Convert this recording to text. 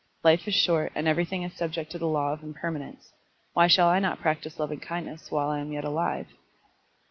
Life is short and everything is subject to the law of impermanence. Why shall I not practise lovingkindness while I am yet alive?"